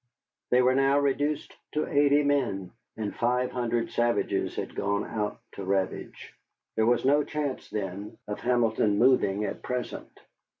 They were now reduced to eighty men, and five hundred savages had gone out to ravage. There was no chance, then, of Hamilton moving at present?